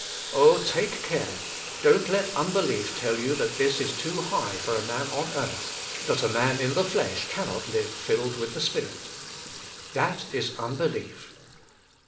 Oh, take care! don't let unbelief tell you that this is too high for a man on earth, that a man in the flesh cannot live filled with the Spirit. That is unbe lief.